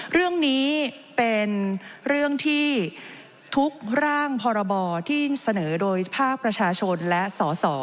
เรื่องนี้เป็นเรื่องที่ทุกร่างพรบที่เสนอโดยภาคประชาชนและสส